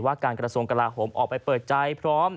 การกระทรวงกลาโหมออกไปเปิดใจพร้อม